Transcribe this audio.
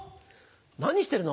何してるの？